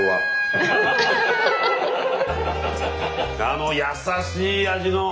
あの優しい味の。